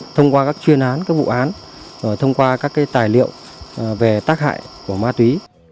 thông qua các chuyên án các vụ án thông qua các tài liệu về tác hại của ma túy